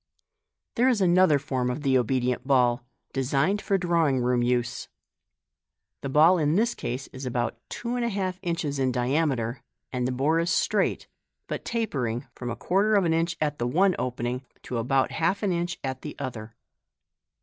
There is another form of the Obedient Ball, designed for drawing room use. The ball in this case is about two and a half inches in diameter, and the bore is straight, but tapering from a quarter of an inch at the one opening to about half an inch at the other.